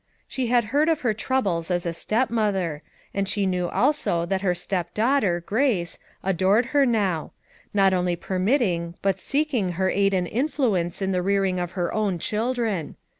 She had heard of her troubles as a stepmother, and she knew also that her step daughter, Grace, adored her now; not only permitting but seeking her aid and influence in the rearing of her own children.